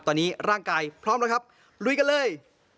ตอนนี้ร่างกายพร้อมแล้วครับลุยกันเลย